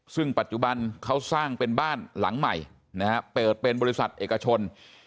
ซึ่งปัจจุบันเขาสร้างเป็นบ้านหลังใหม่นะฮะเปิดเป็นบริษัทเอกชน